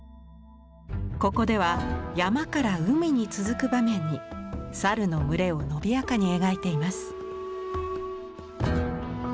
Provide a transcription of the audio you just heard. ここでは山から海に続く場面に猿の群れを伸びやかに描いています。